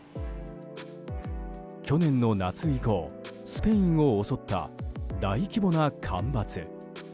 去年の夏以降、スペインを襲った大規模な干ばつ。